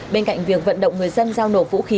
bên cạnh việc vận động người dân giao nổ vũ khí